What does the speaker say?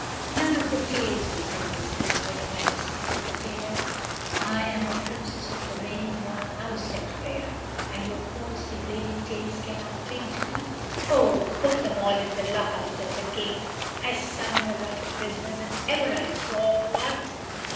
"None of the tails will fit this prisoner, your Majesty," said the Jailer. "I am a Princess of the reigning Mer House," said Freia, "and your false, degrading tails cannot cling to me." "Oh, put them all in the lockup," said the King, "as sullen a lot of prisoners as ever I saw—what?"